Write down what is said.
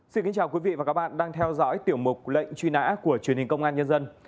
xin kính chào quý vị và các bạn đang theo dõi tiểu mục lệnh truy nã của truyền hình công an nhân dân